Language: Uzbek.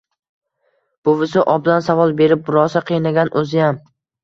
Buvisi obdon savol berib rosa qiynagan o`ziyam